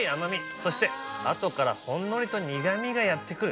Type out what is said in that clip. そして後からほんのりと苦味がやってくる。